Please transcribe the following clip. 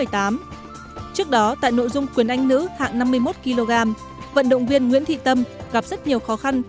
trước đó tại nội dung quyền anh nữ hạng năm mươi một kg vận động viên nguyễn thị tâm gặp rất nhiều khó khăn